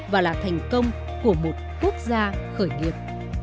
và là thành công của một quốc gia khởi nghiệp